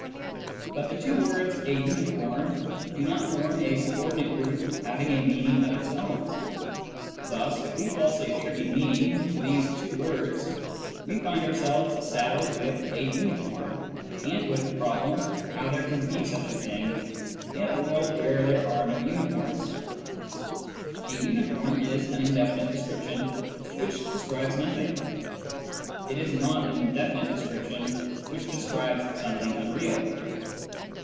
But the two words " a unicorn " do not form a subordinate group having a meaning of its own. Thus if we falsely attribute meaning to these two words, we find ourselves saddled with " a unicorn," and with the problem how there can be such a thing in a world where there are no unicorns. " A unicorn " is an indefinite descrip tion which describes nothing. It is not an indefinite description which describes something unreal.